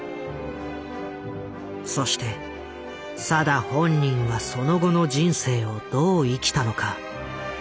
そして定本人はその後の人生をどう生きたのか？